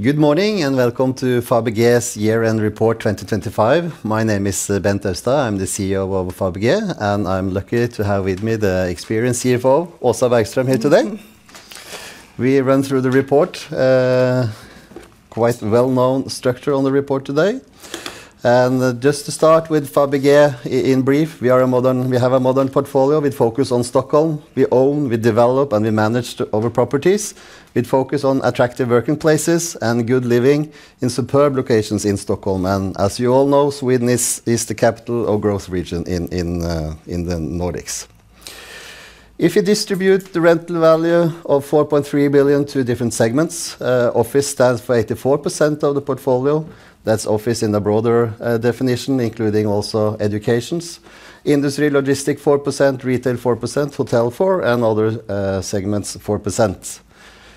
Good morning, and welcome to Fabege's Year-End Report 2025. My name is Bent Oustad. I'm the CEO of Fabege, and I'm lucky to have with me the experienced CFO, Åsa Bergström, here today. We run through the report, quite well-known structure on the report today. Just to start with Fabege in brief, we have a modern portfolio. We focus on Stockholm. We own, we develop, and we manage the other properties. We focus on attractive working places and good living in superb locations in Stockholm. As you all know, Sweden is the capital or growth region in the Nordics. If you distribute the rental value of 4.3 billion to different segments, office stands for 84% of the portfolio. That's office in the broader definition, including also educations. Industry, logistic, 4%; retail, 4%; hotel, 4%; and other segments, 4%.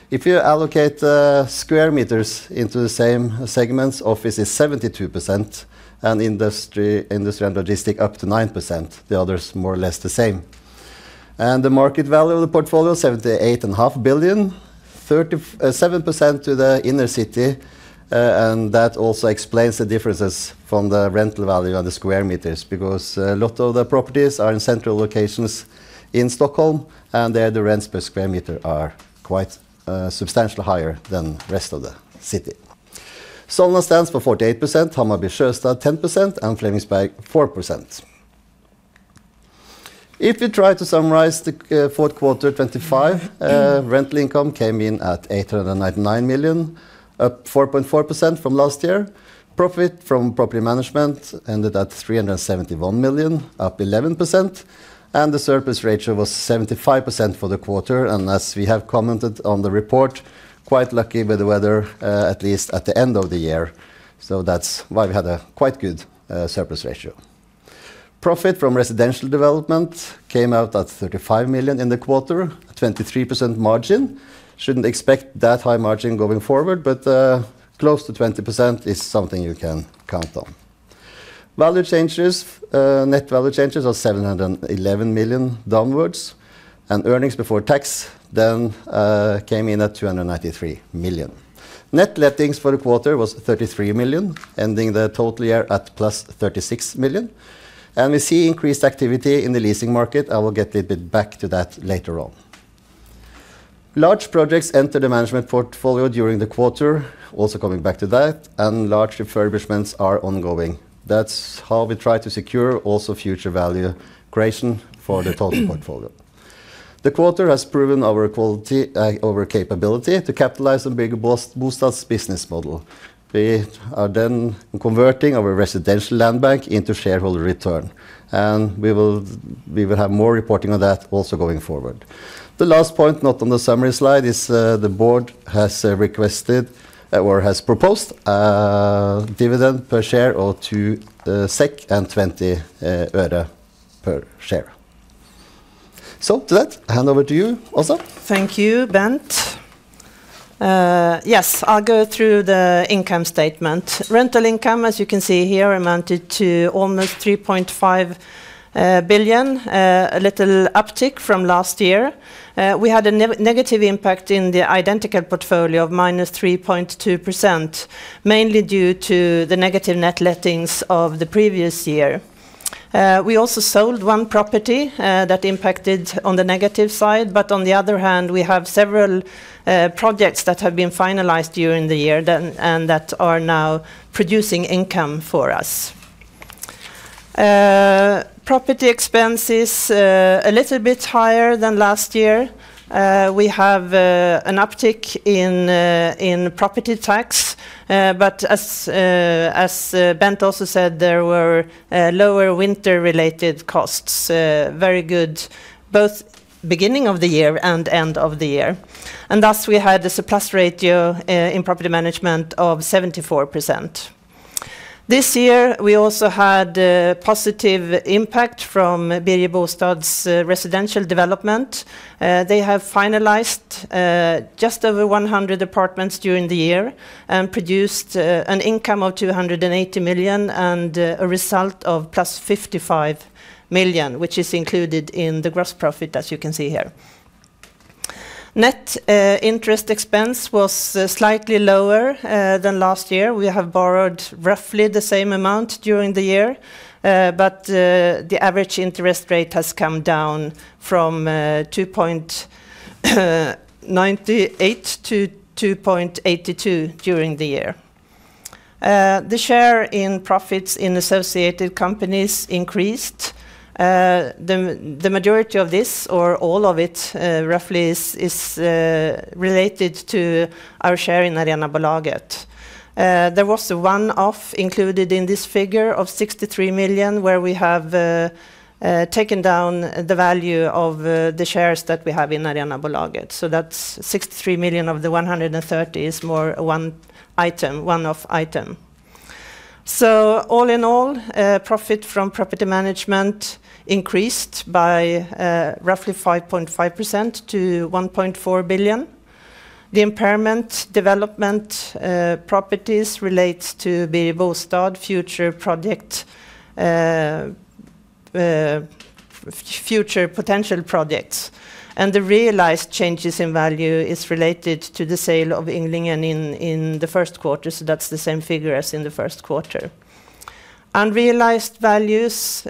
If you allocate the square meters into the same segments, office is 72%, and industry and logistic up to 9%. The other is more or less the same. The market value of the portfolio, 78.5 billion, 37% to the inner city, and that also explains the differences from the rental value and the square meters, because a lot of the properties are in central locations in Stockholm, and there, the rents per square meter are quite substantially higher than the rest of the city. Solna stands for 48%, Hammarby Sjöstad 10%, and Flemingsberg 4%. If you try to summarize the fourth quarter 2025 rental income came in at 899 million, up 4.4% from last year. Profit from property management ended at 371 million, up 11%, and the surplus ratio was 75% for the quarter. And as we have commented on the report, quite lucky with the weather, at least at the end of the year, so that's why we had a quite good, surplus ratio. Profit from residential development came out at 35 million in the quarter, a 23% margin. Shouldn't expect that high margin going forward, but, close to 20% is something you can count on. Value changes, net value changes of 711 million downwards, and earnings before tax then, came in at 293 million. Net lettings for the quarter was 33 million, ending the total year at +36 million. We see increased activity in the leasing market. I will get a bit back to that later on. Large projects entered the management portfolio during the quarter, also coming back to that, and large refurbishments are ongoing. That's how we try to secure also future value creation for the total portfolio. The quarter has proven our quality, our capability to capitalize on Birger Bostad's business model. We are then converting our residential land bank into shareholder return, and we will, we will have more reporting on that also going forward. The last point, not on the summary slide, is, the board has requested or has proposed, dividend per share of 2.20 per share. To that, I hand over to you, Åsa. Thank you, Bent. Yes, I'll go through the income statement. Rental income, as you can see here, amounted to almost 3.5 billion, a little uptick from last year. We had a negative impact in the identical portfolio of -3.2%, mainly due to the negative net lettings of the previous year. We also sold one property that impacted on the negative side, but on the other hand, we have several projects that have been finalized during the year then, and that are now producing income for us. Property expenses, a little bit higher than last year. We have an uptick in property tax, but as Bent also said, there were lower winter-related costs, very good both beginning of the year and end of the year, and thus we had a surplus ratio in property management of 74%. This year, we also had a positive impact from Birger Bostad's residential development. They have finalized just over 100 apartments during the year and produced an income of 280 million, and a result of +55 million, which is included in the gross profit, as you can see here. Net interest expense was slightly lower than last year. We have borrowed roughly the same amount during the year, but the average interest rate has come down from 2.98% to 2.82% during the year. The share in profits in associated companies increased. The majority of this or all of it, roughly is related to our share in Arenabolaget. There was a one-off included in this figure of 63 million, where we have taken down the value of the shares that we have in Arenabolaget. So that's 63 million of the 130 million is more a one item, one-off item. So all in all, profit from property management increased by roughly 5.5% to 1.4 billion. The impairment development properties relates to Birger Bostad future project, future potential projects. The realized changes in value is related to the sale of Ynglingen 10 in the first quarter, so that's the same figure as in the first quarter. Unrealized values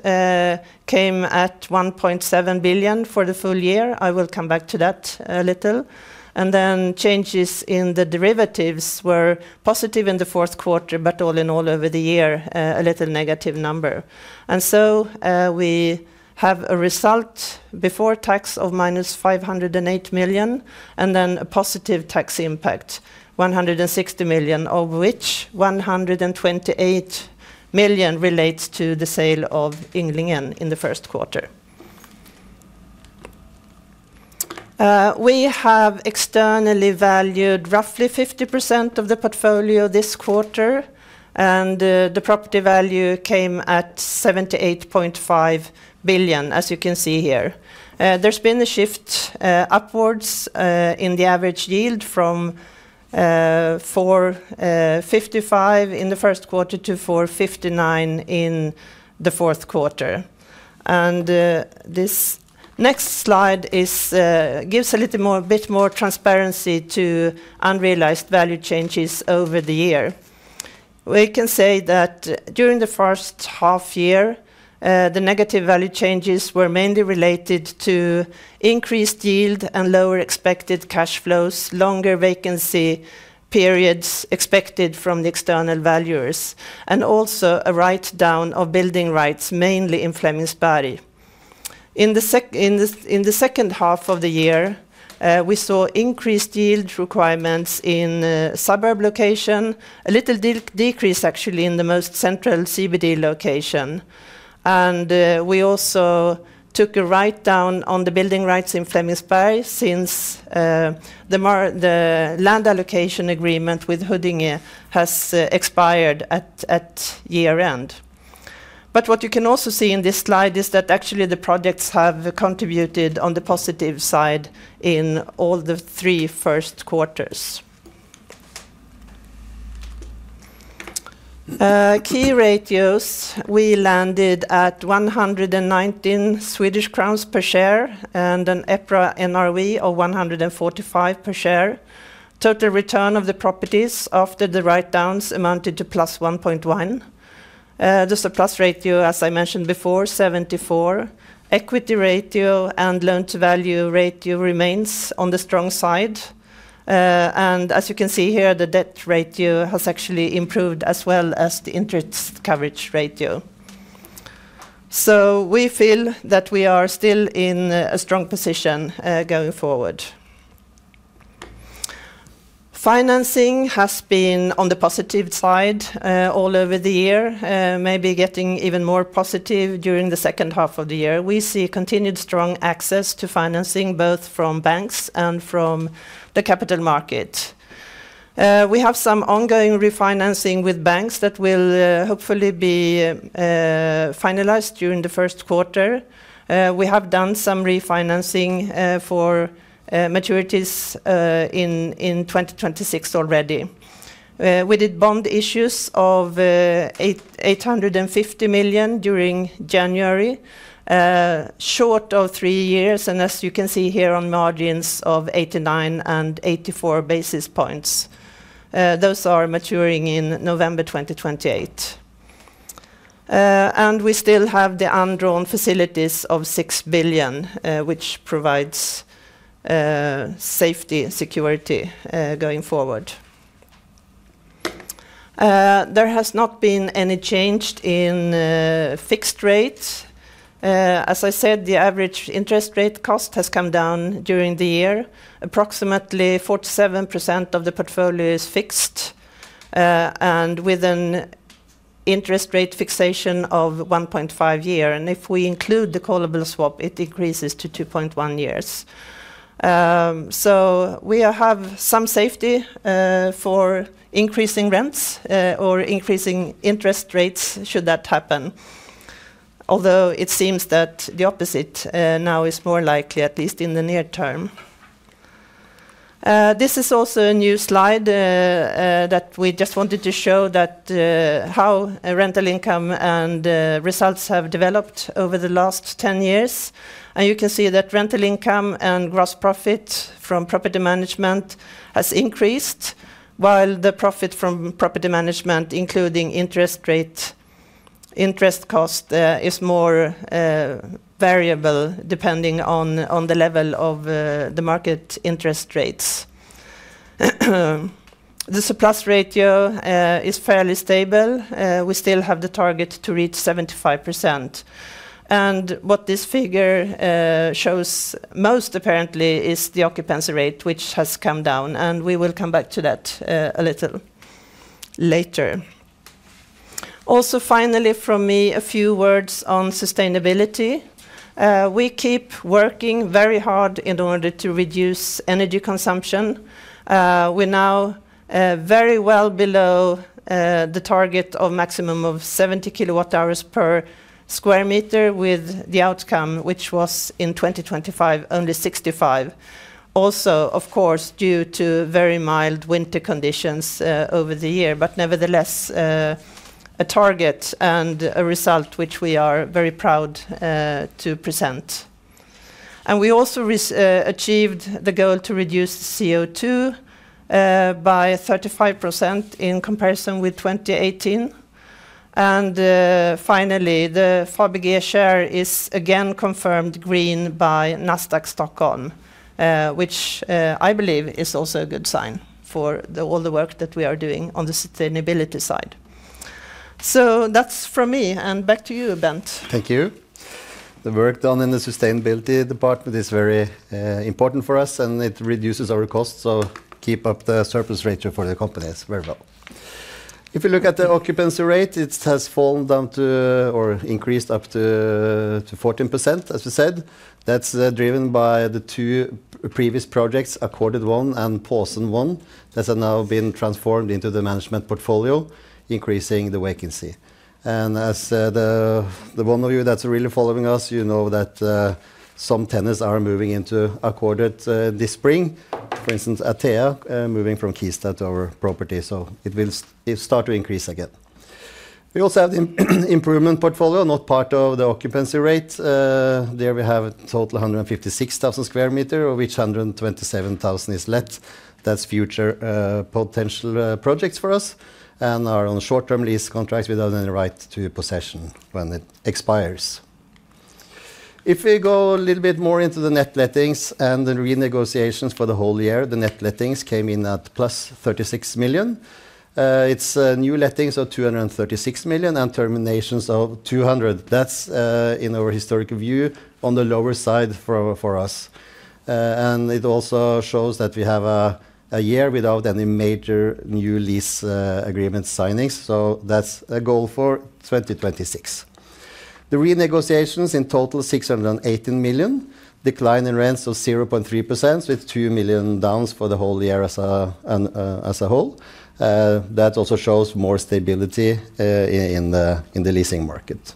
came at 1.7 billion for the full year. I will come back to that a little. And then changes in the derivatives were positive in the fourth quarter, but all in all, over the year, a little negative number. And so we have a result before tax of minus 508 million, and then a positive tax impact, 160 million, of which 128 million relates to the sale of Ynglingen 10 in the first quarter. We have externally valued roughly 50% of the portfolio this quarter, and the property value came at 78.5 billion, as you can see here. There's been a shift upwards in the average yield from 4.55% in the first quarter to 4.59% in the fourth quarter. This next slide gives a little more, a bit more transparency to unrealized value changes over the year. We can say that during the first half year, the negative value changes were mainly related to increased yield and lower expected cash flows, longer vacancy periods expected from the external valuers, and also a write down of building rights, mainly in Flemingsberg. In the second half of the year, we saw increased yield requirements in suburb location, a little decrease, actually, in the most central CBD location. We also took a write-down on the building rights in Flemingsberg, since the land allocation agreement with Huddinge has expired at year-end. But what you can also see in this slide is that actually the projects have contributed on the positive side in all the first three quarters. Key ratios, we landed at 119 Swedish crowns per share, and an EPRA NRV of 145 per share. Total return of the properties after the write-downs amounted to +1.1%. The surplus ratio, as I mentioned before, 74%. Equity ratio and loan-to-value ratio remains on the strong side. And as you can see here, the debt ratio has actually improved as well as the interest coverage ratio. So we feel that we are still in a strong position going forward. Financing has been on the positive side all over the year, maybe getting even more positive during the second half of the year. We see continued strong access to financing, both from banks and from the capital market. We have some ongoing refinancing with banks that will hopefully be finalized during the first quarter. We have done some refinancing for maturities in 2026 already. We did bond issues of 850 million during January, short of three years, and as you can see here, on margins of 89 and 84 basis points. Those are maturing in November 2028. And we still have the undrawn facilities of 6 billion, which provides safety and security going forward. There has not been any change in fixed rates. As I said, the average interest rate cost has come down during the year. Approximately 47% of the portfolio is fixed, and with an interest rate fixation of 1.5 year, and if we include the callable swap, it decreases to 2.1 years. So we have some safety, for increasing rents, or increasing interest rates, should that happen. Although it seems that the opposite, now is more likely, at least in the near term. This is also a new slide, that we just wanted to show that, how a rental income and, results have developed over the last 10 years. You can see that rental income and gross profit from property management has increased, while the profit from property management, including interest rate, interest cost, is more variable, depending on the level of the market interest rates. The surplus ratio is fairly stable. We still have the target to reach 75%. And what this figure shows most apparently is the occupancy rate, which has come down, and we will come back to that a little later. Also, finally from me, a few words on sustainability. We keep working very hard in order to reduce energy consumption. We're now very well below the target of maximum of 70 kWh per square meter, with the outcome, which was in 2025, only 65 kWh. Also, of course, due to very mild winter conditions over the year, but nevertheless, a target and a result which we are very proud to present. And we also achieved the goal to reduce CO2 by 35% in comparison with 2018. And, finally, the Fabege share is again confirmed green by Nasdaq Stockholm, which I believe is also a good sign for all the work that we are doing on the sustainability side. So that's from me, and back to you, Bent. Thank you. The work done in the sustainability department is very important for us, and it reduces our costs, so keep up the surplus ratio for the company. It's very well. If you look at the occupancy rate, it has fallen down to or increased up to 14%, as you said. That's driven by the two previous projects, Ackordet 1 and Påsen 1, that have now been transformed into the management portfolio, increasing the vacancy. And as the one of you that's really following us, you know that some tenants are moving into Ackordet this spring. For instance, Atea moving from Kista to our property. So it will start to increase again. We also have the improvement portfolio, not part of the occupancy rate. There we have a total 156,000 sqm, of which 127,000 square meters is let. That's future potential projects for us and are on short-term lease contracts without any right to possession when it expires. If we go a little bit more into the net lettings and the renegotiations for the whole year, the net lettings came in at +36 million. It's new lettings of 236 million, and terminations of 200 million. That's, in our historical view, on the lower side for us. And it also shows that we have a year without any major new lease agreement signings, so that's a goal for 2026. The renegotiations in total 618 million. Decline in rents of 0.3%, with 2 million down for the whole year as a whole. That also shows more stability in the leasing market.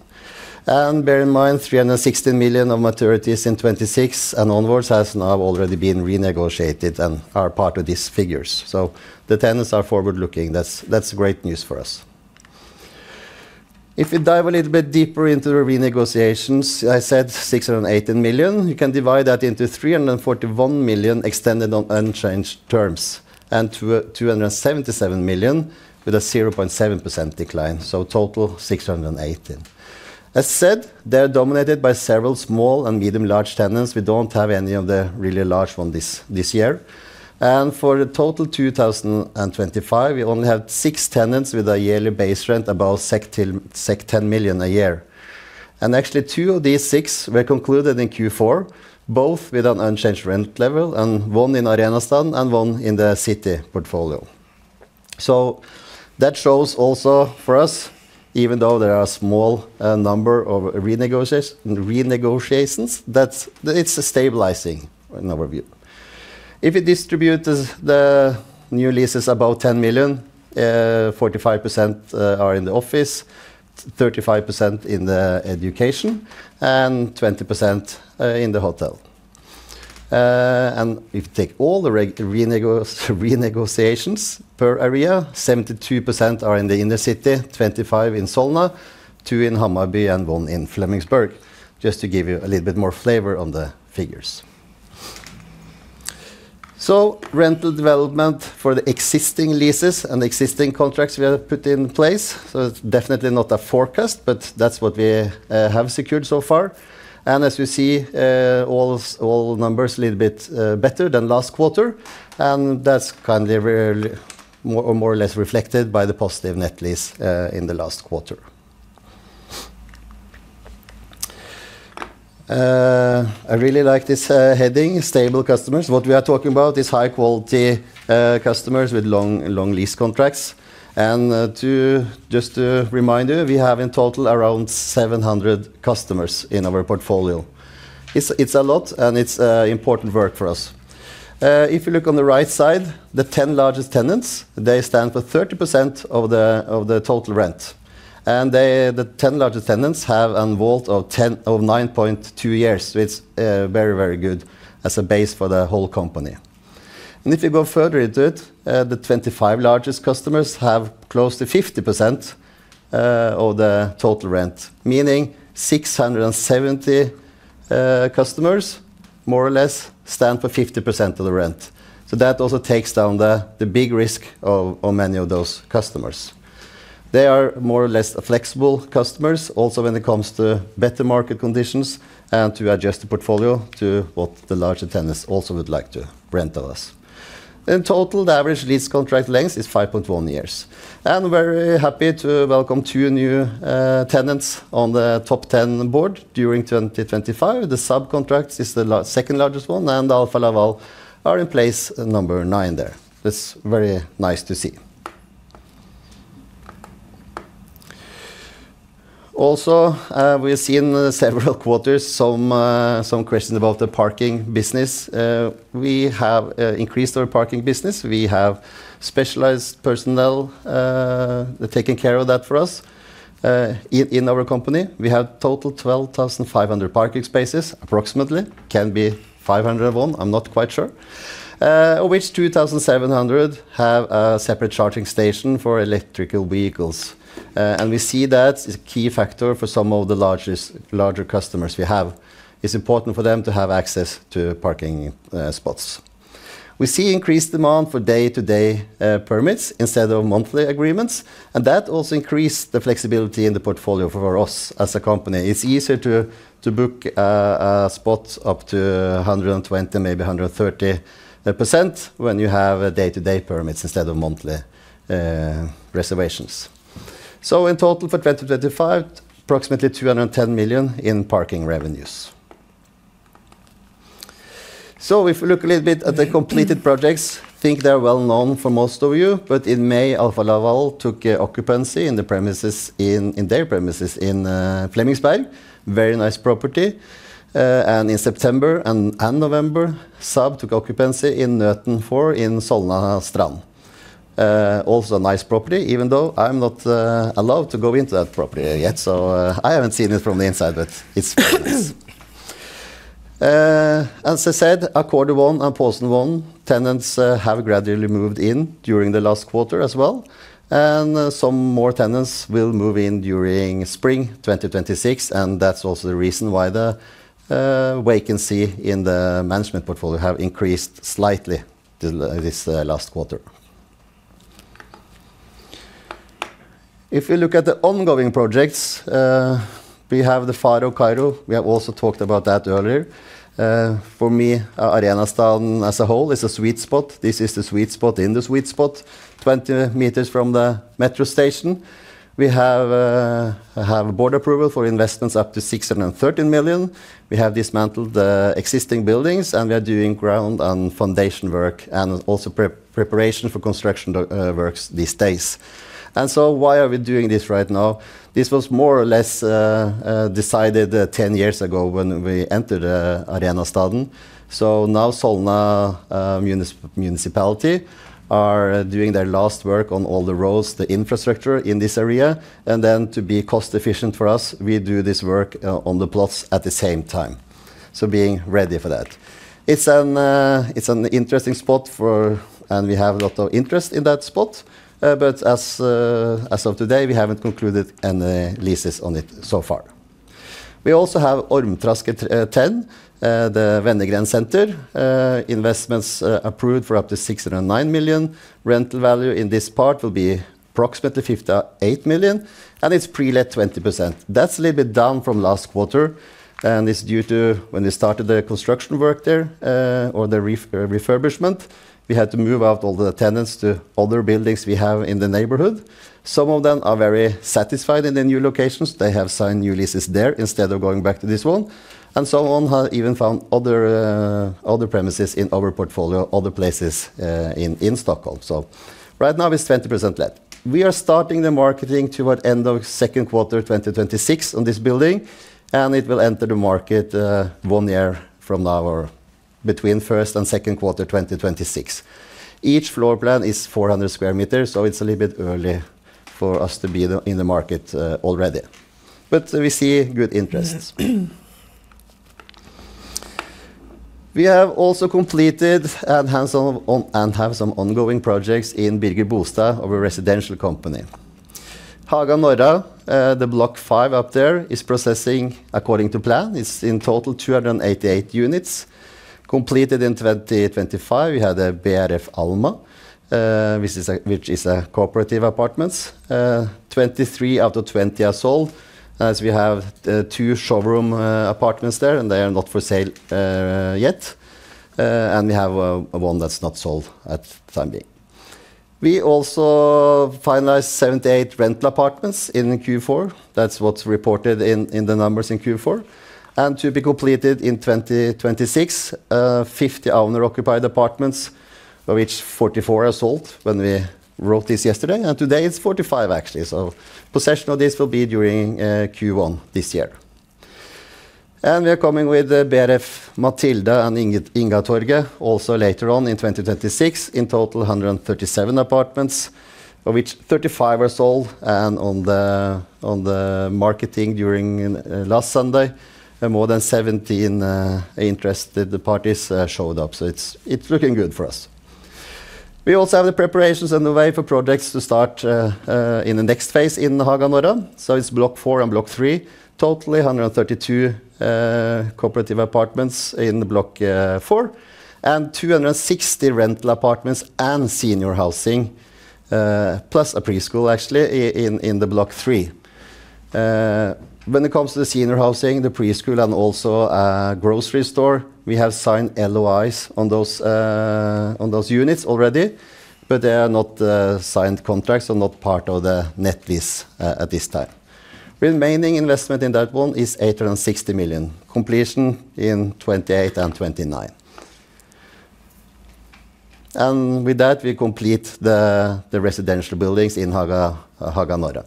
Bear in mind, 316 million of maturities in 2026 and onwards has now already been renegotiated and are part of these figures. So the tenants are forward-looking. That's great news for us. If we dive a little bit deeper into the renegotiations, I said 618 million. You can divide that into 341 million extended on unchanged terms, and 277 million, with a 0.7% decline, so total 618 million. As said, they're dominated by several small and medium large tenants. We don't have any of the really large one this year. For the total 2025, we only have six tenants with a yearly base rent above 10 million a year. Actually, two of these six were concluded in Q4, both with an unchanged rent level, and one in Nacka Strand and one in the city portfolio. So that shows also for us, even though there are a small number of renegotiations, that's-- It's a stabilizing in our view. If you distribute the new leases, about 10 million, 45% are in the office, 35% in the education, and 20% in the hotel. And if you take all the renegotiations per area, 72% are in the inner city, 25% in Solna, 2% in Hammarby, and 1% in Flemingsberg, just to give you a little bit more flavor on the figures. So rental development for the existing leases and existing contracts we have put in place, so it's definitely not a forecast, but that's what we have secured so far. And as you see, all numbers a little bit better than last quarter, and that's kind of really more or less reflected by the positive net lettings in the last quarter. I really like this heading, Stable customers. What we are talking about is high-quality customers with long lease contracts. And, just to remind you, we have in total around 700 customers in our portfolio. It's a lot, and it's important work for us. If you look on the right side, the 10 largest tenants, they stand for 30% of the total rent. They, the 10 largest tenants, have a WAULT of 10, of 9.2 years. So it's very, very good as a base for the whole company. If we go further into it, the 25 largest customers have close to 50% of the total rent, meaning 670, more or less, customers stand for 50% of the rent. So that also takes down the big risk of many of those customers. They are more or less flexible customers, also when it comes to better market conditions and to adjust the portfolio to what the larger tenants also would like to rent of us. In total, the average lease contract length is 5.1 years. We're happy to welcome two new tenants on the top 10 board during 2025. The SEB is the second largest one, and Alfa Laval are in place number nine there. That's very nice to see. Also, we've seen several quarters, some questions about the parking business. We have increased our parking business. We have specialized personnel taking care of that for us. In our company, we have total 12,501 parking spaces, approximately. Of which 2,700 have a separate charging station for electrical vehicles. And we see that as a key factor for some of the largest customers we have. It's important for them to have access to parking spots. We see increased demand for day-to-day permits instead of monthly agreements, and that also increased the flexibility in the portfolio for us as a company. It's easier to book a spot up to 120%, maybe 130% when you have day-to-day permits instead of monthly reservations. So in total for 2025, approximately 210 million in parking revenues. So if you look a little bit at the completed projects, I think they are well known for most of you, but in May, Alfa Laval took occupancy in their premises in Flemingsberg. Very nice property. And in September and November, Saab took occupancy in Nöten 4 in Solna Strand. Also a nice property, even though I'm not allowed to go into that property yet, so I haven't seen it from the inside, but it's nice. As I said, Ackordet 1 and Påsen 1 tenants have gradually moved in during the last quarter as well, and some more tenants will move in during spring 2026, and that's also the reason why the vacancy in the management portfolio have increased slightly this last quarter. If you look at the ongoing projects, we have the Farao. We have also talked about that earlier. For me, Arenastaden as a whole is a sweet spot. This is the sweet spot in the sweet spot, 20 meters from the metro station. We have a board approval for investments up to 613 million. We have dismantled the existing buildings, and we are doing ground and foundation work, and also preparation for construction works these days. And so why are we doing this right now? This was more or less decided 10 years ago when we entered Arenastaden. So now Solna municipality are doing their last work on all the roads, the infrastructure in this area, and then to be cost efficient for us, we do this work on the plots at the same time. So being ready for that. It's an interesting spot for-- And we have a lot of interest in that spot, but as of today, we haven't concluded any leases on it so far. We also have Ormträsket 10, the Wenner-Gren Center. Investments approved for up to 609 million. Rental value in this part will be approximately 58 million, and it's pre-let 20%. That's a little bit down from last quarter, and it's due to when they started the construction work there, or the refurbishment, we had to move out all the tenants to other buildings we have in the neighborhood. Some of them are very satisfied in the new locations. They have signed new leases there instead of going back to this one, and some of them have even found other, other premises in our portfolio, other places, in, in Stockholm. So right now, it's 20% let. We are starting the marketing toward end of second quarter 2026 on this building, and it will enter the market, one year from now or between first and second quarter 2026. Each floor plan is 400 square meters, so it's a little bit early for us to be in the, in the market, already. But we see good interests. We have also completed and hand some on-- and have some ongoing projects in Birger Bostad of a residential company. Haga Norra, the Block 5 up there, is progressing according to plan. It's in total 288 units. Completed in 2025, we had a BRF Alma, which is a cooperative apartments. 23 after 20 are sold, as we have two showroom apartments there, and they are not for sale yet. And we have one that's not sold for the time being. We also finalized 78 rental apartments in the Q4. That's what's reported in the numbers in Q4. To be completed in 2026, 50 owner-occupied apartments, of which 44 are sold when we wrote this yesterday, and today it's 45, actually. So possession of this will be during Q1 this year. And we are coming with the BRF Matilda and Ingentingtorget also later on in 2026. In total, 137 apartments, of which 35 are sold, and on the marketing during last Sunday, and more than 17 interested parties showed up. So it's looking good for us. We also have the preparations on the way for projects to start in the next phase in the Haga Norra, so it's Block 4 and Block 3. Totally 132 cooperative apartments in the Block 4, and 260 rental apartments and senior housing plus a preschool, actually, in the Block 3. When it comes to the senior housing, the preschool, and also a grocery store, we have signed LOIs on those units already, but they are not signed contracts or not part of the net lease at this time. Remaining investment in that one is 860 million. Completion in 2028 and 2029. And with that, we complete the residential buildings in Haga Norra.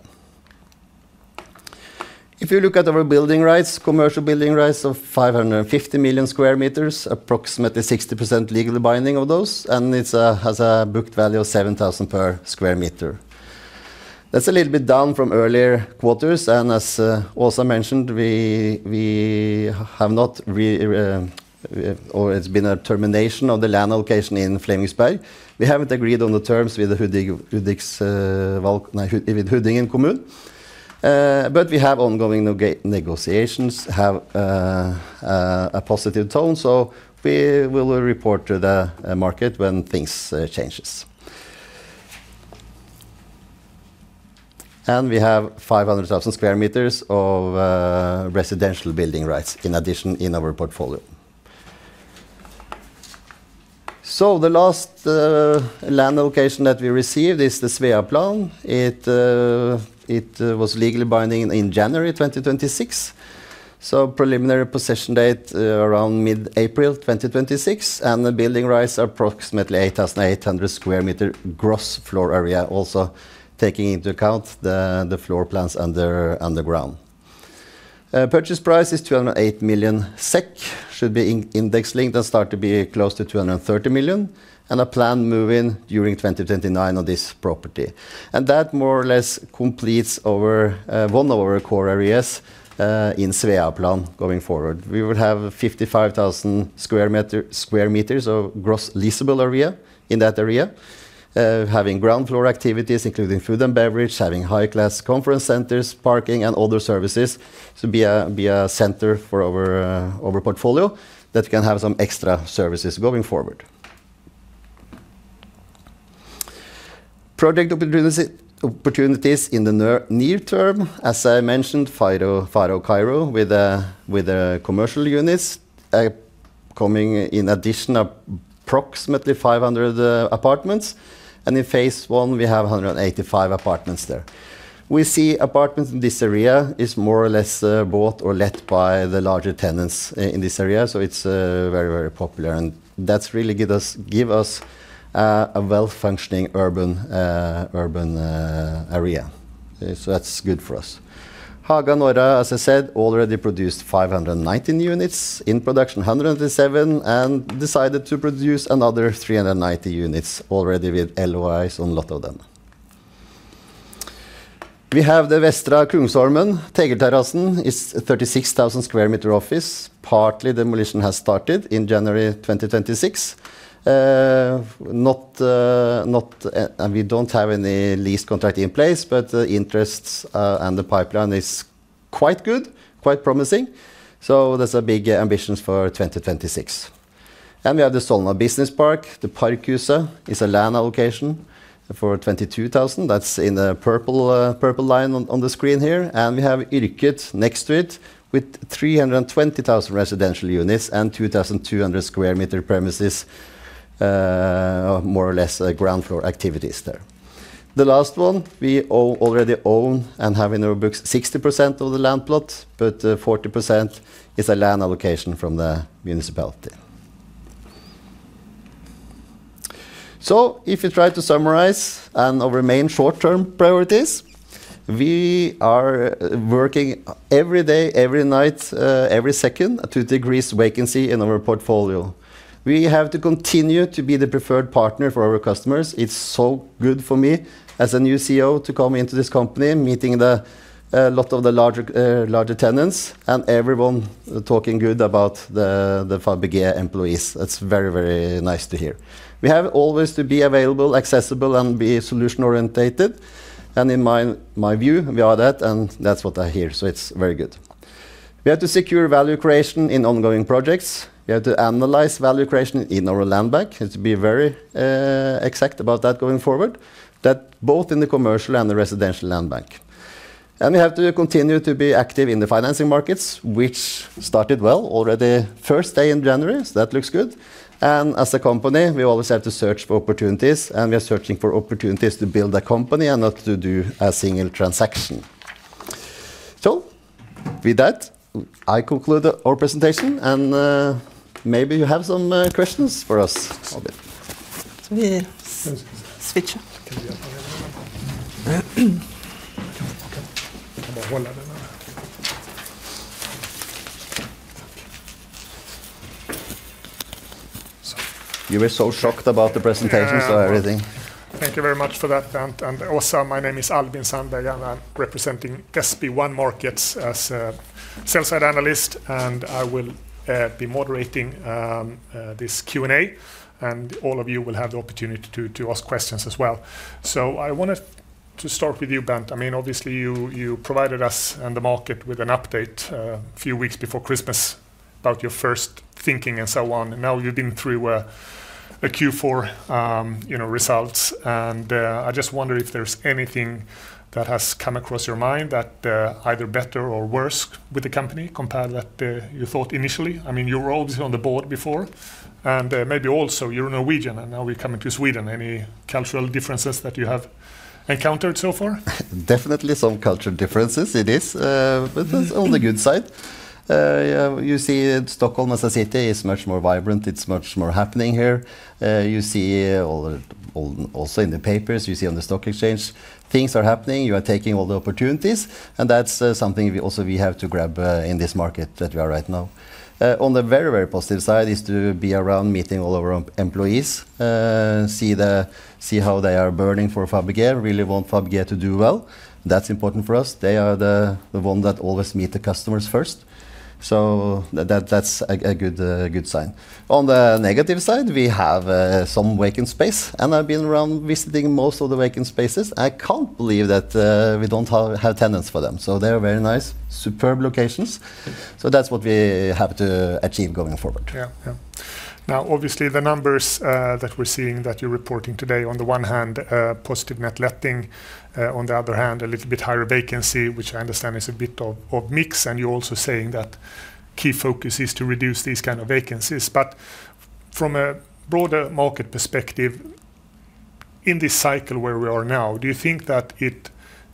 If you look at our building rights, commercial building rights of 550 million square meters, approximately 60% legally binding of those, and it has a booked value of 7,000 per square meters. That's a little bit down from earlier quarters, and as also mentioned, we have not or it's been a termination of the land allocation in Flemingsberg. We haven't agreed on the terms with the Huddinge kommun. But we have ongoing negotiations have a positive tone, so we will report to the market when things changes. And we have 500,000 square meters of residential building rights in addition in our portfolio. So the last land allocation that we received is the Sveaplan. It was legally binding in January 2026, so preliminary possession date around mid-April 2026, and the building rights are approximately 8,800 square meters gross floor area, also taking into account the floor plans underground. Purchase price is 208 million SEK, should be index-linked and start to be close to 230 million, and a planned move-in during 2029 of this property. That more or less completes our one of our core areas in Sveaplan going forward. We will have 55,000 square meters of gross leasable area in that area, having ground floor activities, including food and beverage, having high-class conference centers, parking, and other services. To be a center for our portfolio that can have some extra services going forward. Project opportunities in the near term, as I mentioned, Farao, with the commercial units coming in addition approximately 500 apartments. And in phase one, we have 185 apartments there. We see apartments in this area is more or less bought or let by the larger tenants in this area, so it's very, very popular. And that's really give us give us a well-functioning urban urban area. So that's good for us. Haga Norra, as I said, already produced 519 units, in production 107, and decided to produce another 390 units already with LOIs on a lot of them. We have the Västra Kungsholmen. Tegelterrassen is a 36,000 square meter office. Partly demolition has started in January 2026. And we don't have any lease contract in place, but the interests and the pipeline is quite good, quite promising, so there's a big ambitions for 2026. And we have the Solna Business Park. The Parkhuset is a land allocation for 22,000 square meters. That's in the purple, purple line on, on the screen here. And we have Yrket next to it, with 320,000 residential units and 2,200 square meter premises, more or less, ground floor activities there. The last one, we already own and have in our books 60% of the land plot, but, 40% is a land allocation from the municipality. So if you try to summarize and our main short-term priorities, we are working every day, every night, every second, to decrease vacancy in our portfolio. We have to continue to be the preferred partner for our customers. It's so good for me as a new CEO to come into this company, meeting the, lot of the larger, larger tenants, and everyone talking good about the, the Fabege employees. That's very, very nice to hear. We have always to be available, accessible, and be solution-oriented. In my, my view, we are that, and that's what I hear, so it's very good. We have to secure value creation in ongoing projects. We have to analyze value creation in our land bank, and to be very, exact about that going forward, that both in the commercial and the residential land bank. We have to continue to be active in the financing markets, which started well already first day in January, so that looks good. As a company, we always have to search for opportunities, and we are searching for opportunities to build a company and not to do a single transaction. With that, I conclude our presentation, and maybe you have some questions for us, Albin. We switch. Yeah. You were so shocked about the presentation, so everything. Thank you very much for that, Bent. And also, my name is Albin Sandberg. I'm representing SB1 Markets as a sell-side analyst, and I will be moderating this Q&A, and all of you will have the opportunity to ask questions as well. So I wanted to start with you, Bent. I mean, obviously, you provided us and the market with an update a few weeks before Christmas about your first thinking and so on. And now you've been through a Q4, you know, results, and I just wonder if there's anything that has come across your mind that either better or worse with the company compared that you thought initially. I mean, you were obviously on the board before. And maybe also, you're Norwegian, and now you're coming to Sweden. Any cultural differences that you have encountered so far? Definitely some cultural differences it is, but it's on the good side. Yeah, you see Stockholm as a city is much more vibrant. It's much more happening here. You see all the-- also in the papers, you see on the stock exchange, things are happening. You are taking all the opportunities, and that's something we also have to grab in this market that we are right now. On the very, very positive side is to be around meeting all of our employees, see how they are burning for Fabege, really want Fabege to do well. That's important for us. They are the one that always meet the customers first. So that's a good sign. On the negative side, we have some vacant space, and I've been around visiting most of the vacant spaces. I can't believe that we don't have tenants for them. So they're very nice, superb locations. So that's what we have to achieve going forward. Yeah. Yeah. Now, obviously, the numbers that we're seeing that you're reporting today, on the one hand, positive net letting, on the other hand, a little bit higher vacancy, which I understand is a bit of a mix. And you're also saying that key focus is to reduce these kind of vacancies. But from a broader market perspective in this cycle where we are now, do you think that it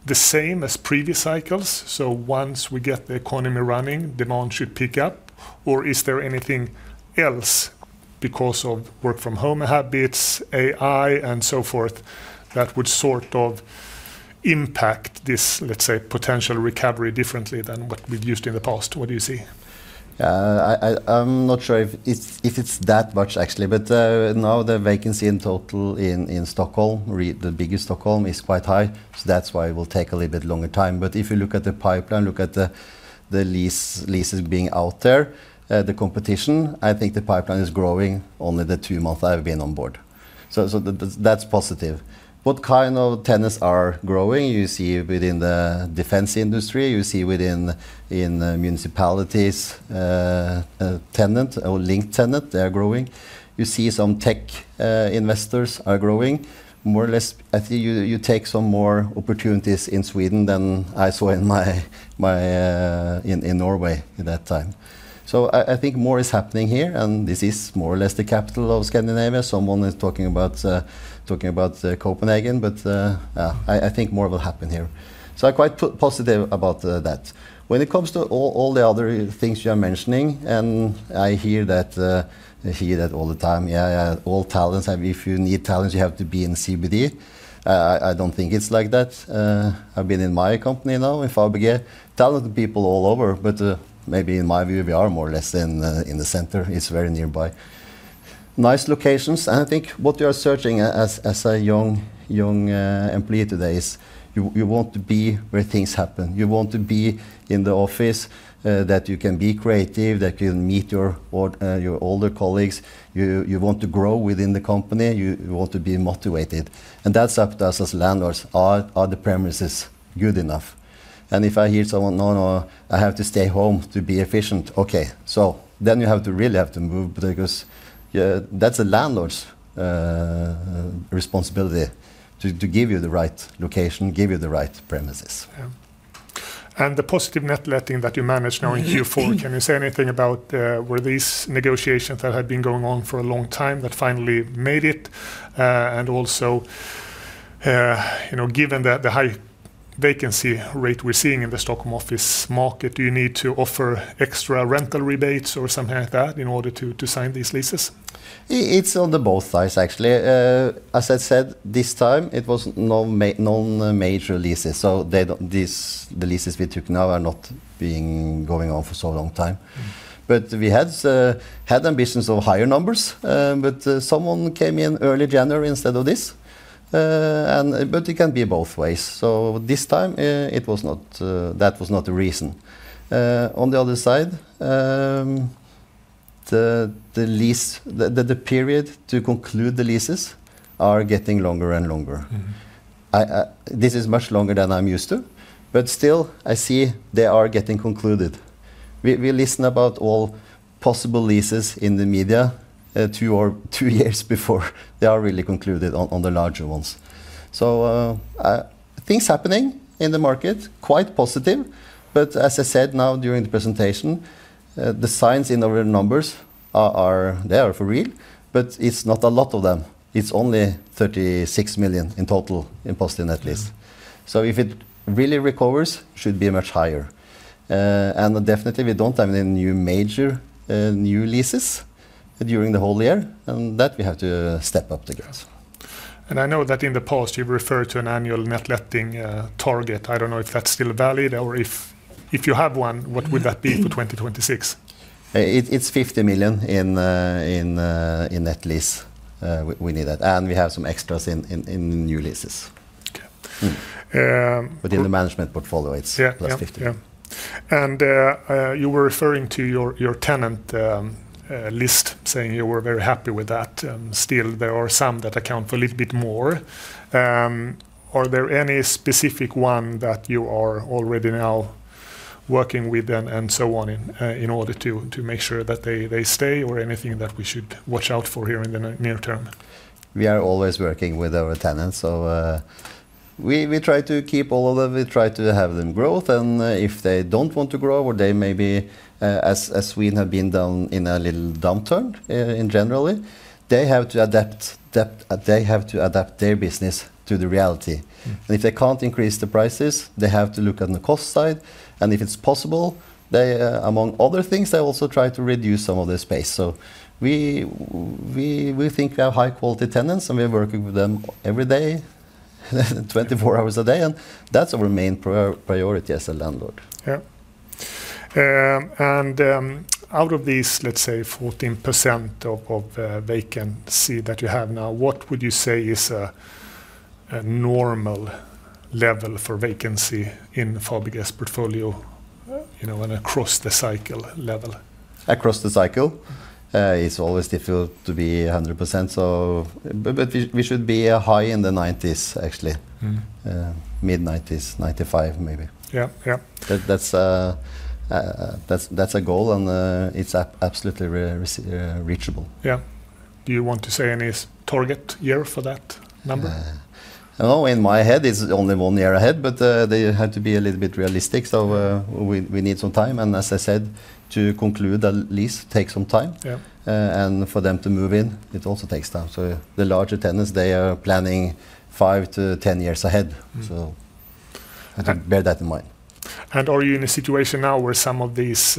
the same as previous cycles? So once we get the economy running, demand should pick up, or is there anything else because of work from home habits, AI, and so forth, that would sort of impact this, let's say, potential recovery differently than what we've used in the past? What do you see? I'm not sure if it's that much, actually, but now the vacancy in total in greater Stockholm is quite high, so that's why it will take a little bit longer time. But if you look at the pipeline, look at the leases being out there, the competition, I think the pipeline is growing in the two months I've been on board. So that's positive. What kind of tenants are growing? You see within the defense industry, you see within municipalities, tenant or linked tenant, they are growing. You see some tech investors are growing. More or less, I think you take some more opportunities in Sweden than I saw in my time in Norway at that time. So I think more is happening here, and this is more or less the capital of Scandinavia. Someone is talking about talking about Copenhagen, but I think more will happen here. So I quite positive about that. When it comes to all the other things you are mentioning, and I hear that I hear that all the time. Yeah, yeah, all talents. I mean, if you need talent, you have to be in CBD. I don't think it's like that. I've been in my company now, in Fabege. Talented people all over, but maybe in my view, we are more or less in the center. It's very nearby. Nice locations, and I think what you are searching as a young employee today is you want to be where things happen. You want to be in the office, that you can be creative, that you can meet your old, your older colleagues. You want to grow within the company. You want to be motivated, and that's up to us as landlords. Are the premises good enough? And if I hear someone: "No, no, I have to stay home to be efficient," okay, so then you really have to move because, yeah, that's a landlord's responsibility, to give you the right location, give you the right premises. Yeah. And the positive net letting that you managed now in Q4, can you say anything about, were these negotiations that had been going on for a long time that finally made it, and also, you know, given that the high vacancy rate we're seeing in the Stockholm office market, do you need to offer extra rental rebates or something like that in order to sign these leases? It's on both sides, actually. As I said, this time, it was no major leases, so they don't. The leases we took now are not being going on for so long time. But we had had ambitions of higher numbers, but someone came in early January instead of this. And but it can be both ways. So this time, it was not, that was not the reason. On the other side, the lease, the period to conclude the leases are getting longer and longer. Mm-hmm. This is much longer than I'm used to, but still, I see they are getting concluded. We listen about all possible leases in the media, two or two years before they are really concluded, on the larger ones. So, things happening in the market, quite positive, but as I said now during the presentation, the signs in the real numbers are there for real, but it's not a lot of them. It's only 36 million in total in positive net lease. So if it really recovers, should be much higher. And definitely we don't have any new major new leases during the whole year, and that we have to step up the gas. I know that in the past, you've referred to an annual net letting target. I don't know if that's still valid or if you have one, what would that be for 2026? It's 50 million in net lease. We need that, and we have some extras in new leases. Okay. In the management portfolio, it's +50 million. Yeah. And you were referring to your tenant list, saying you were very happy with that, and still there are some that account for a little bit more. Are there any specific one that you are already now working with and so on in order to make sure that they stay or anything that we should watch out for here in the near term? We are always working with our tenants. So, we try to keep all of them. We try to have them growth, and if they don't want to grow, or they may be, as Sweden have been down in a little downturn, in generally, they have to adapt, they have to adapt their business to the reality. Mm. If they can't increase the prices, they have to look on the cost side, and if it's possible, they, among other things, they also try to reduce some of the space. So we think we have high-quality tenants, and we're working with them every day, 24 hours a day, and that's our main priority as a landlord. Yeah, out of these, let's say 14% of vacancy that you have now, what would you say is a normal level for vacancy in Fabege's portfolio, you know, and across the cycle level? Across the cycle, it's always difficult to be 100%, but we should be high in the 90%s, actually. Mm-hmm. Mid-90%s, 95% maybe. Yeah, yeah. That's a goal, and it's absolutely reachable. Yeah. Do you want to say any target year for that number? I know in my head, it's only one year ahead, but, they have to be a little bit realistic. So, we need some time, and as I said, to conclude a lease takes some time. Yeah. For them to move in, it also takes time. So the larger tenants, they are planning five to 10 years ahead. Mm-hmm. So, I think. Bear that in mind. Are you in a situation now where some of these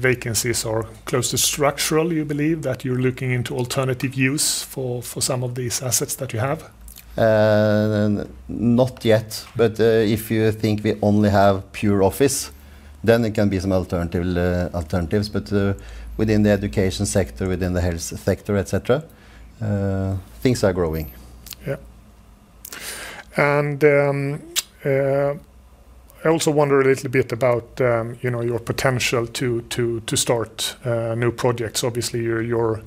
vacancies are close to structural, you believe, that you're looking into alternative use for some of these assets that you have? Not yet, but if you think we only have pure office, then there can be some alternative alternatives. But within the education sector, within the health sector, et cetera, things are growing. Yeah. And I also wonder a little bit about, you know, your potential to start new projects. Obviously, you're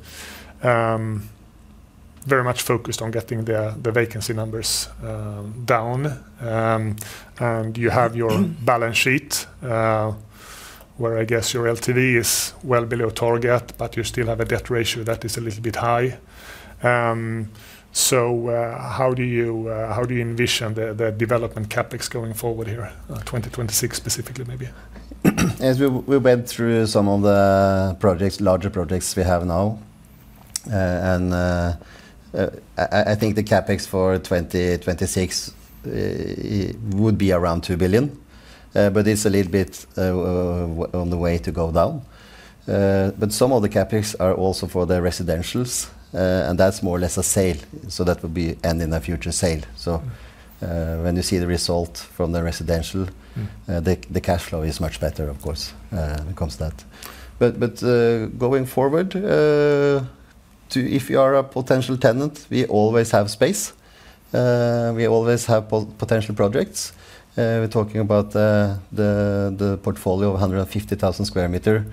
very much focused on getting the vacancy numbers down. And you have your balance sheet, where I guess your LTV is well below target, but you still have a debt ratio that is a little bit high. So, how do you envision the development CapEx going forward here, 2026, specifically, maybe? As we went through some of the projects, larger projects we have now, and I think the CapEx for 2026 would be around 2 billion. But it's a little bit on the way to go down. But some of the CapEx are also for the residential, and that's more or less a sale, so that would end in a future sale. So when you see the result from the residential, the cash flow is much better, of course, when it comes to that. But going forward, to if you are a potential tenant, we always have space. We always have potential projects. We're talking about the portfolio of 150,000 square meters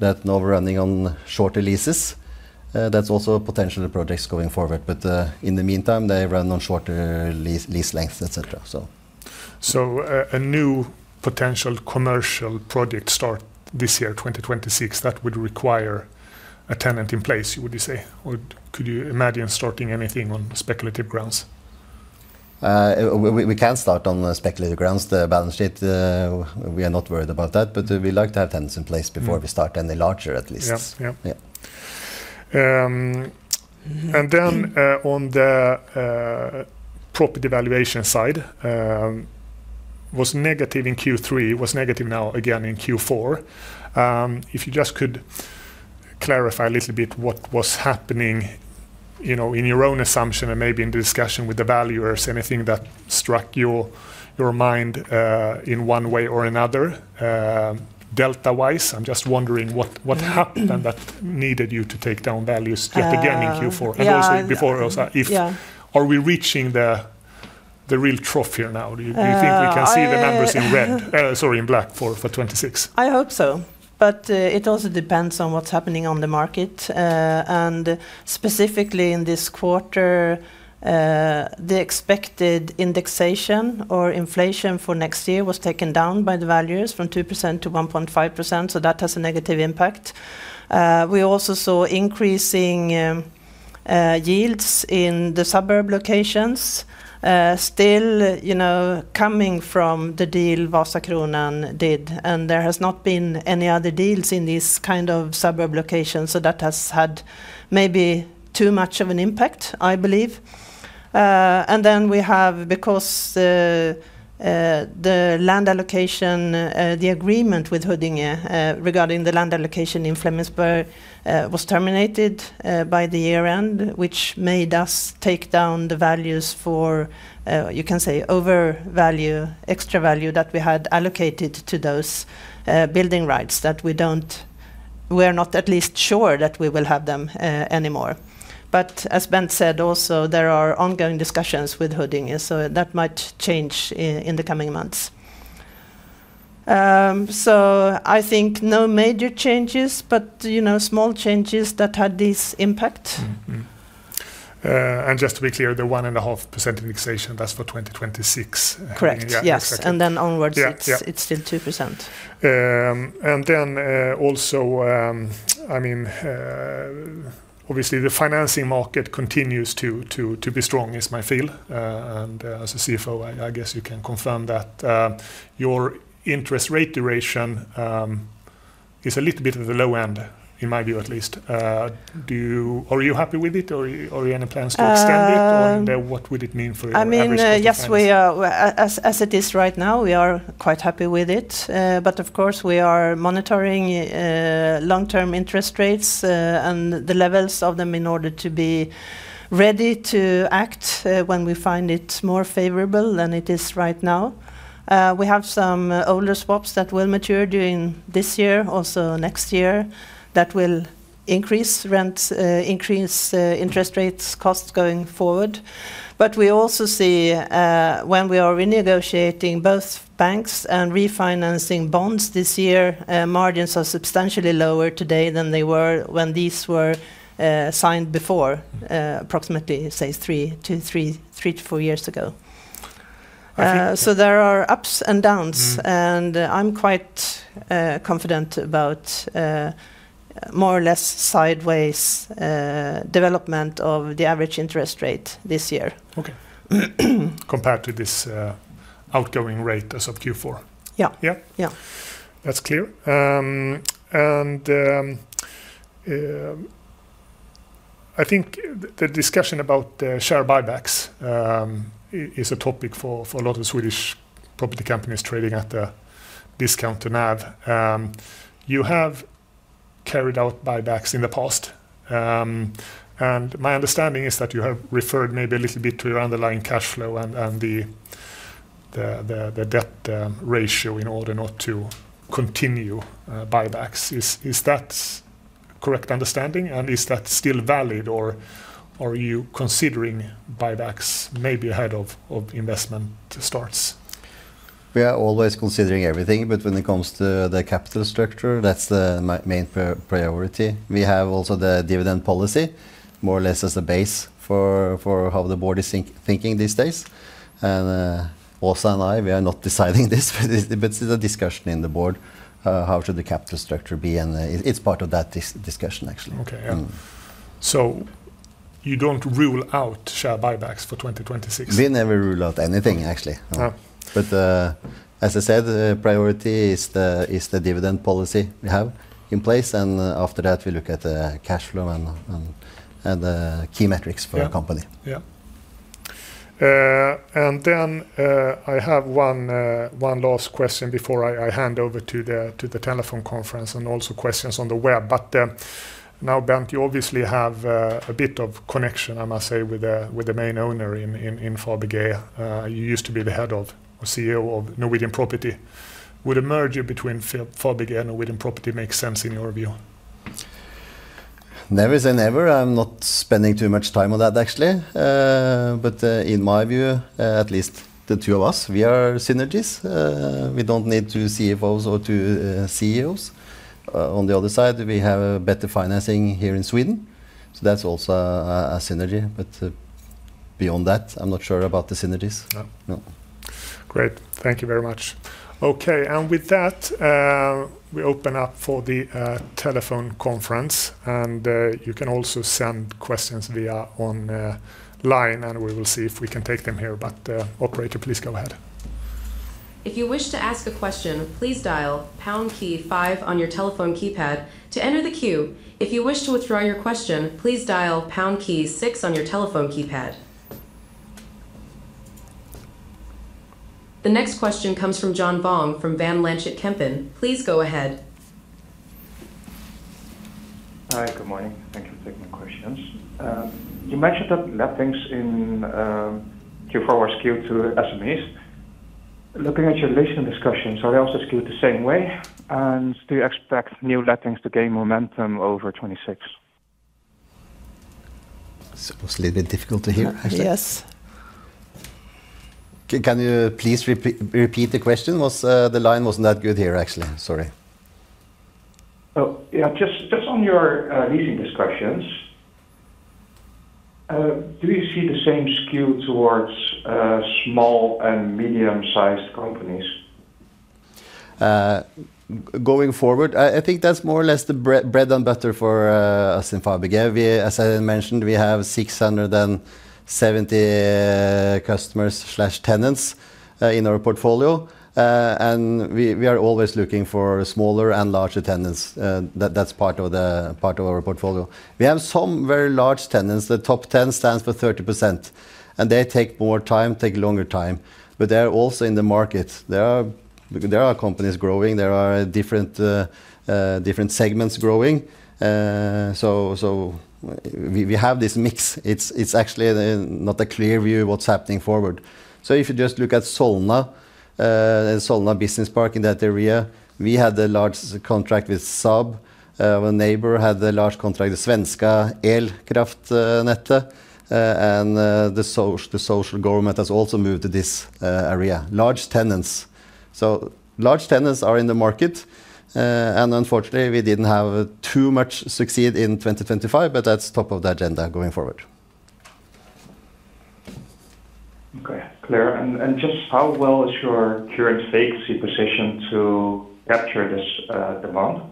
that now running on shorter leases. That's also potential projects going forward, but in the meantime, they run on shorter lease lengths, et cetera, so. So a new potential commercial project start this year, 2026, that would require a tenant in place, would you say? Or could you imagine starting anything on speculative grounds? We can start on speculative grounds. The balance sheet, we are not worried about that, but we like to have tenants in place before we start, any larger, at least. Yeah, yeah. Yeah. Then, on the property valuation side, was negative in Q3, was negative now again in Q4. If you just could clarify a little bit what was happening, you know, in your own assumption and maybe in discussion with the valuers, anything that struck your mind, in one way or another, delta-wise? I'm just wondering what happened that needed you to take down values yet again in Q4. Yeah, I- And also before, if-- Are we reaching the real trough here now? Uh, I- Do you think we can see the numbers in red, sorry, in black for 2026? I hope so. But, it also depends on what's happening on the market. And specifically in this quarter, the expected indexation or inflation for next year was taken down by the valuers from 2% to 1.5%, so that has a negative impact. We also saw increasing yields in the suburb locations. Still, you know, coming from the deal Vasakronan did, and there has not been any other deals in this kind of suburb location, so that has had maybe too much of an impact, I believe. And then we have, because, the land allocation, the agreement with Huddinge, regarding the land allocation in Flemingsberg, was terminated, by the year-end, which made us take down the values for, you can say, overvalue, extra value that we had allocated to those, building rights, that we don't-- we are not at least sure that we will have them, anymore. But as Bent said, also, there are ongoing discussions with Huddinge, so that might change in the coming months. So I think no major changes, but, you know, small changes that had this impact. Mm-hmm. And just to be clear, the 1.5% indexation, that's for 2026? Correct. Yeah, exactly. Yes, and then onwards- Yeah, yeah... it's, it's still 2%. Also, I mean, obviously, the financing market continues to be strong, is my feel. As a CFO, I guess you can confirm that. Your interest rate duration is a little bit at the low end, in my view, at least. Are you happy with it, or any plans to extend it? What would it mean for your average cost of funds? I mean, yes, we are, as it is right now, we are quite happy with it. But of course, we are monitoring long-term interest rates and the levels of them in order to be ready to act when we find it more favorable than it is right now. We have some older swaps that will mature during this year, also next year, that will increase rents, increase interest rates costs going forward. But we also see when we are renegotiating both banks and refinancing bonds this year, margins are substantially lower today than they were when these were signed before, approximately, say, three to four years ago. So there are ups and downs. I'm quite confident about more or less sideways development of the average interest rate this year. Okay. Compared to this, outgoing rate as of Q4? Yeah. Yeah? Yeah. That's clear. And I think the discussion about the share buybacks is a topic for a lot of Swedish property companies trading at a discount to NAV. You have carried out buybacks in the past. And my understanding is that you have referred maybe a little bit to your underlying cash flow and the debt ratio in order not to continue buybacks. Is that correct understanding, and is that still valid, or are you considering buybacks maybe ahead of investment starts? We are always considering everything, but when it comes to the capital structure, that's the main priority. We have also the dividend policy, more or less as a base for how the board is thinking these days. Åsa and I, we are not deciding this, but it's a discussion in the board how should the capital structure be, and it's part of that discussion, actually. Okay, yeah. Mm. You don't rule out share buybacks for 2026? We never rule out anything, actually. Oh. But, as I said, the priority is the dividend policy we have in place, and after that, we look at the cash flow and the key metrics for the company. Yeah. And then, I have one last question before I hand over to the telephone conference, and also questions on the web. But, now, Bent, you obviously have a bit of connection, I must say, with the main owner in Fabege. You used to be the head of, or CEO of Norwegian Property. Would a merger between Fabege and Norwegian Property make sense in your view? Never say never. I'm not spending too much time on that, actually. But, in my view, at least the two of us, we are synergies. We don't need two CFOs or two CEOs. On the other side, we have a better financing here in Sweden, so that's also a synergy. But, beyond that, I'm not sure about the synergies. No. No. Great. Thank you very much. Okay, and with that, we open up for the telephone conference, and you can also send questions via online, and we will see if we can take them here. But operator, please go ahead. If you wish to ask a question, please dial pound key five on your telephone keypad to enter the queue. If you wish to withdraw your question, please dial pound key six on your telephone keypad. The next question comes from John Vuong from Van Lanschot Kempen. Please go ahead. Hi. Good morning. Thank you for taking my questions. You mentioned that lettings in Q4 were skewed to SMEs. Looking at your leasing discussions, are they also skewed the same way, and do you expect new lettings to gain momentum over 2026? It was a little bit difficult to hear, actually. Yes. Can you please repeat the question? The line was not good here, actually. Sorry. Oh, yeah. Just, just on your leasing discussions, do you see the same skew towards small and medium-sized companies? Going forward, I think that's more or less the bread and butter for us in Fabege. As I mentioned, we have 670 customers slash tenants in our portfolio. And we are always looking for smaller and larger tenants. That's part of our portfolio. We have some very large tenants. The top 10 stands for 30%, and they take more time, take longer time, but they are also in the market. There are companies growing. There are different different segments growing. So we have this mix. It's actually not a clear view what's happening forward. So if you just look at Solna, Solna Business Park, in that area, we had a large contract with Saab. Our neighbor had a large contract with Svenska kraftnät, and the social government has also moved to this area. Large tenants. So large tenants are in the market, and unfortunately, we didn't have too much succeed in 2025, but that's top of the agenda going forward. Okay, clear. And just how well is your current vacancy position to capture this demand?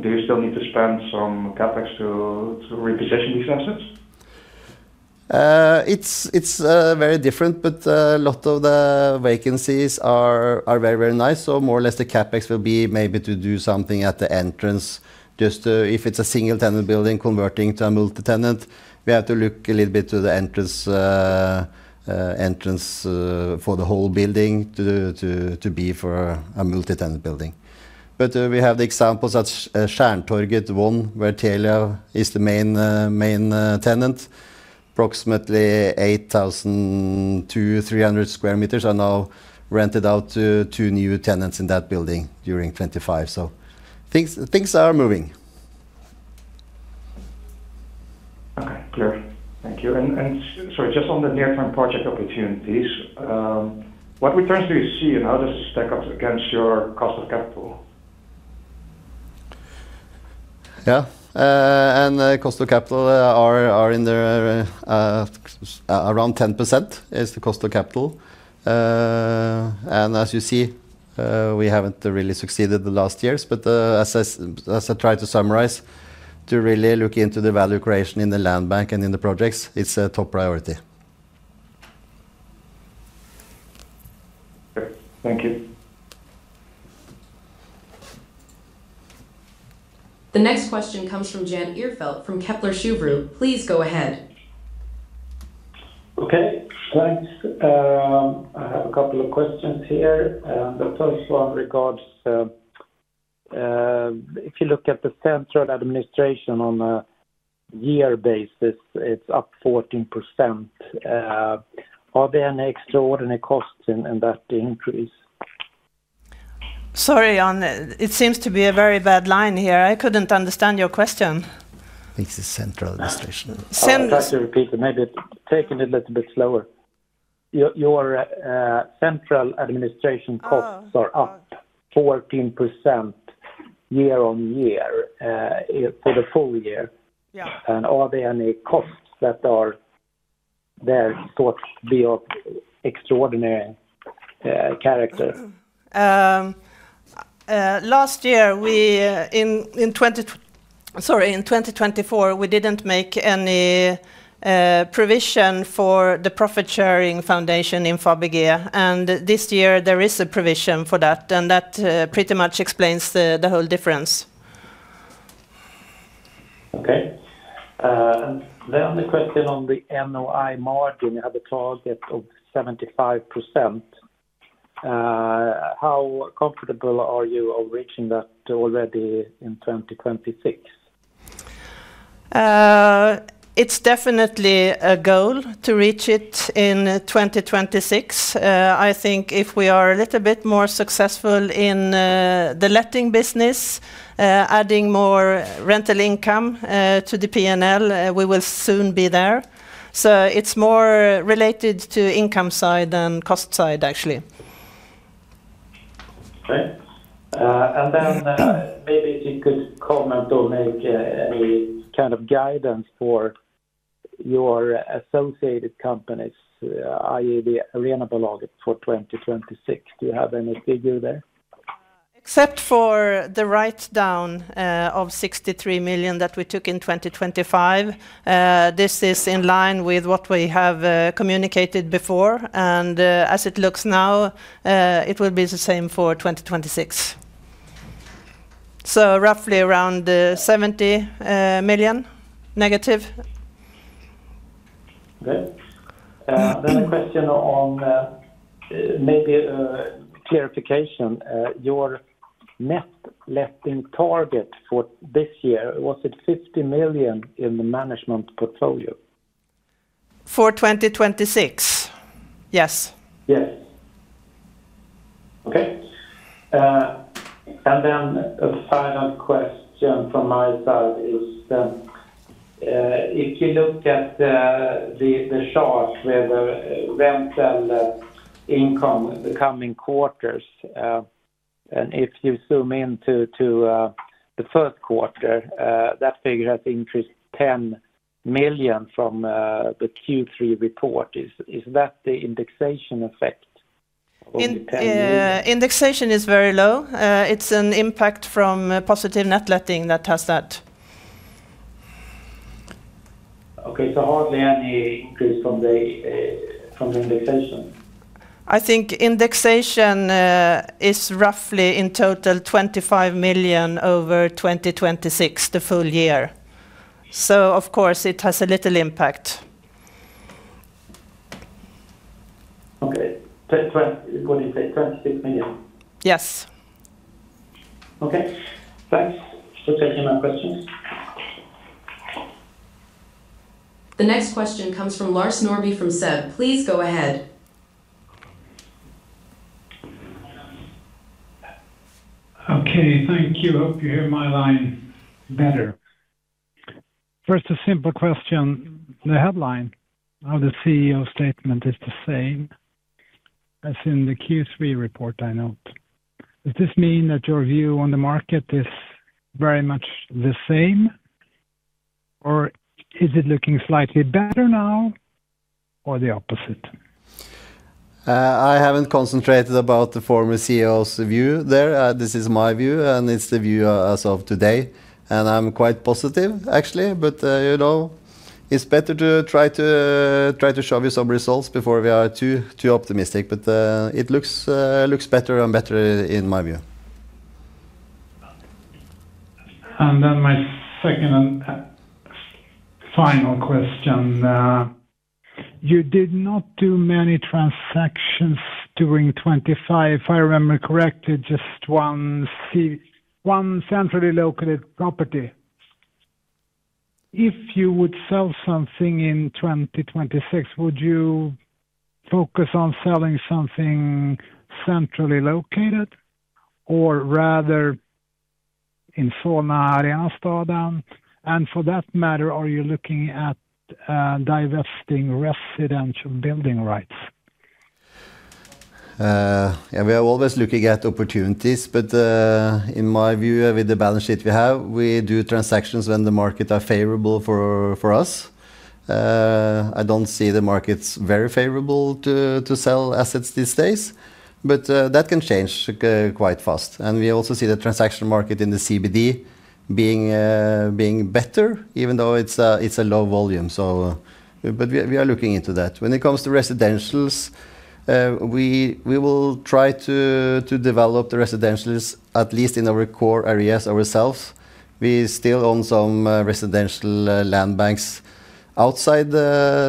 Do you still need to spend some CapEx to reposition these assets? It's very different, but a lot of the vacancies are very, very nice. So more or less the CapEx will be maybe to do something at the entrance. Just if it's a single-tenant building converting to a multi-tenant, we have to look a little bit to the entrance for the whole building to be for a multi-tenant building. But we have the examples at Stjärntorget 1, where Telia is the main tenant. Approximately 8,000-300 square meters are now rented out to two new tenants in that building during 2025. So things are moving. Okay, clear. Thank you. And so just on the near-term project opportunities, what returns do you see, and how does this stack up against your cost of capital? Yeah, and the cost of capital are around 10% is the cost of capital. And as you see, we haven't really succeeded the last years, but, as I try to summarize, to really look into the value creation in the land bank and in the projects, it's a top priority. Okay. Thank you. The next question comes from Jan Ihrfelt, from Kepler Cheuvreux. Please go ahead. Okay, thanks. I have a couple of questions here. The first one regards if you look at the central administration on a year basis, it's up 14%. Are there any extraordinary costs in that increase? Sorry, Jan, it seems to be a very bad line here. I couldn't understand your question. I think it's the central administration. Central- I'll try to repeat and maybe take it a little bit slower. Your, your, central administration costs are up 14% year-on-year for the full year. Yeah. Are there any costs that are there thought to be of extraordinary character? Sorry, last year, in 2024, we didn't make any provision for the profit-sharing foundation in Fabege. And this year there is a provision for that, and that pretty much explains the whole difference. Okay. And then the question on the NOI margin, you have a target of 75%. How comfortable are you of reaching that already in 2026? It's definitely a goal to reach it in 2026. I think if we are a little bit more successful in the letting business, adding more rental income to the P&L, we will soon be there. So it's more related to income side than cost side, actually. Okay. And then maybe if you could comment or make any kind of guidance for your associated companies, i.e., the Arenabolaget for 2026. Do you have any figure there? Except for the write-down of 63 million that we took in 2025, this is in line with what we have communicated before, and as it looks now, it will be the same for 2026. So roughly around -SEK 70 million. Okay. Then a question on, maybe, clarification. Your net letting target for this year, was it 50 million in the management portfolio? For 2026, Yes. Yes. Okay. And then a final question from my side is, if you look at the chart with the rental income coming quarters, and if you zoom in to the first quarter, that figure has increased 10 million from the Q3 report. Is that the indexation effect of the SEK 10 million? In indexation is very low. It's an impact from a positive net lettings that has that. Okay, so hardly any increase from the, from the indexation? I think indexation is roughly in total 25 million over 2026, the full year. So of course it has a little impact. Okay. What did you say? 25 million? Yes. Okay. Thanks for taking my questions. The next question comes from Lars Norrby, from SEB. Please go again. Okay, thank you. Hope you hear my line better. First, a simple question. The headline of the CEO statement is the same as in the Q3 report, I note. Does this mean that your view on the market is very much the same, or is it looking slightly better now, or the opposite? I haven't concentrated about the former CEO's view there. This is my view, and it's the view as of today, and I'm quite positive, actually. But, you know, it's better to try to show you some results before we are too, too optimistic. But, it looks better and better in my view. Then my second and final question. You did not do many transactions during 2025, if I remember correctly, just one centrally located property. If you would sell something in 2026, would you focus on selling something centrally located or rather in Solna, Arenastaden? And for that matter, are you looking at divesting residential building rights? Yeah, we are always looking at opportunities, but in my view, with the balance sheet we have, we do transactions when the market are favorable for us. I don't see the markets very favorable to sell assets these days, but that can change quite fast. And we also see the transaction market in the CBD being better, even though it's a low volume. So, but we are looking into that. When it comes to residentials, we will try to develop the residentials, at least in our core areas ourselves. We still own some residential land banks outside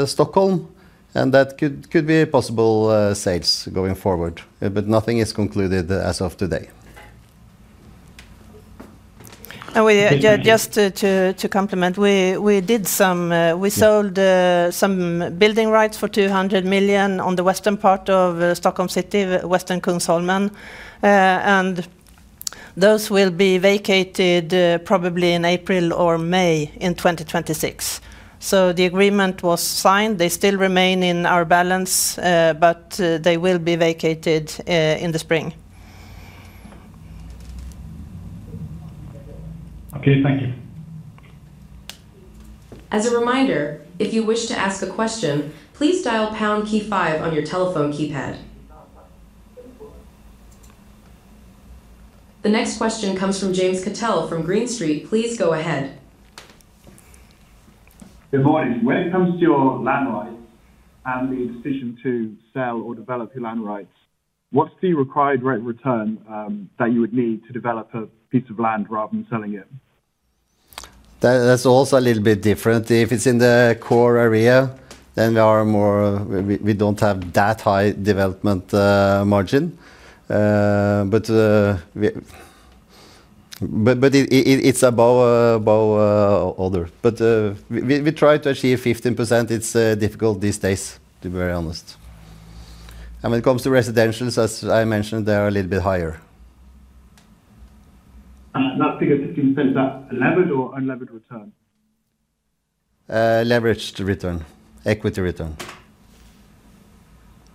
Stockholm, and that could be possible sales going forward, but nothing is concluded as of today. And we- Thank you. Just to complement, we did some. We sold some building rights for 200 million on the western part of Stockholm City, Västra Kungsholmen. And those will be vacated probably in April or May, in 2026. So the agreement was signed. They still remain in our balance, but they will be vacated in the spring. Okay, thank you. As a reminder, if you wish to ask a question, please dial pound key five on your telephone keypad. The next question comes from James Cattell from Green Street. Please go ahead. Good morning. When it comes to your land rights and the decision to sell or develop your land rights, what's the required rate of return that you would need to develop a piece of land rather than selling it? That, that's also a little bit different. If it's in the core area, then we are more—we don't have that high development margin. But it, it's above other. But we try to achieve 15%. It's difficult these days, to be very honest. And when it comes to residentials, as I mentioned, they are a little bit higher. That figure 15%, is that a levered or unlevered return? Leveraged return. Equity return.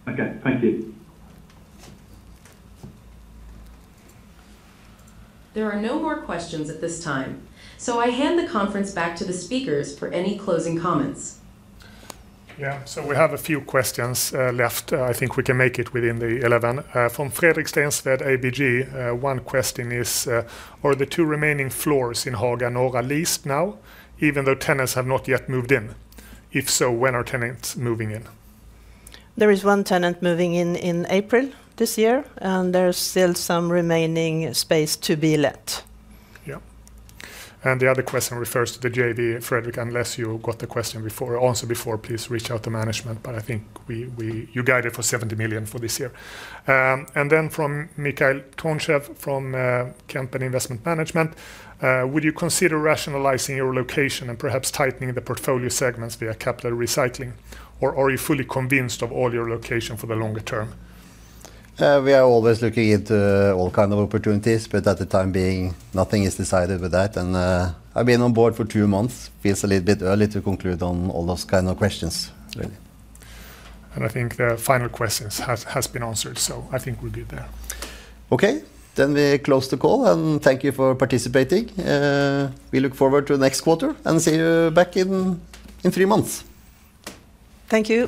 Okay, thank you. There are no more questions at this time, so I hand the conference back to the speakers for any closing comments. Yeah. So we have a few questions left. I think we can make it within the eleven. From Fredrik Stensved, ABG, one question is: "Are the two remaining floors in Haga Norra leased now, even though tenants have not yet moved in? If so, when are tenants moving in? There is one tenant moving in April this year, and there is still some remaining space to be let. Yeah. And the other question refers to the JV, Fredrik, unless you got the question before, answer before, please reach out to management, but I think you guide it for 70 million for this year. And then from Mihail Tonchev, from Kempen Investment Management: "Would you consider rationalizing your location and perhaps tightening the portfolio segments via capital recycling, or are you fully convinced of all your location for the longer term? We are always looking into all kind of opportunities, but for the time being, nothing is decided with that. And, I've been on board for two months, feels a little bit early to conclude on all those kind of questions, really. I think the final questions has been answered, so I think we're good there. Okay. Then we close the call, and thank you for participating. We look forward to the next quarter, and see you back in three months. Thank you.